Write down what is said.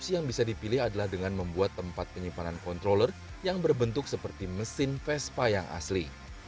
yang bisa dipilih adalah dengan membuat tempat penyimpanan controller yang berbentuk seperti mesin vespa yang asli